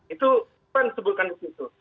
itu kan sebutkan disitu